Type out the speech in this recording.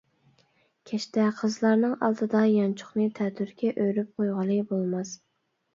كەچتە قىزلارنىڭ ئالدىدا يانچۇقنى تەتۈرگە ئۆرۈپ قويغىلى بولماس.